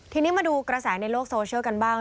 ทีนี้มาดูกระแสในโลกโซเชียลกันบ้าง